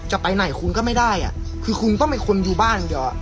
จะไปไหนคุณก็ไม่ได้อ่ะคือคุณก็ไม่คุณอยู่บ้านเดี๋ยวอ่ะ